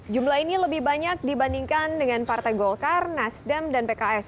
jumlah ini lebih banyak dibandingkan dengan partai golkar nasdem dan pks